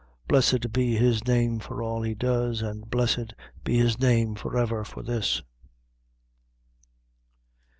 Blessed be His name for all He does, and blessed be His name ever for this!"